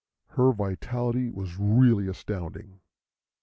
Her vitality was really astonishing.